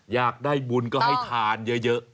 อยากได้บุญก็ให้ทานเยอะ